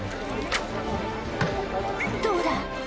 どうだ？